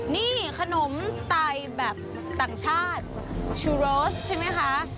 นี่ขนมสไตล์แบบต่างชาติชูโรสใช่ไหมคะ